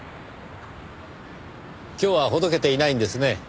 今日はほどけていないんですね。